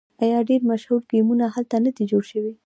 آیا ډیر مشهور ګیمونه هلته نه دي جوړ شوي؟